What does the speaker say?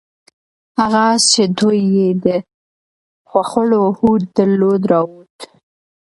هغه آس چې دوی یې د ښخولو هوډ درلود راووت.